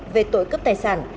về tội cướp tài sản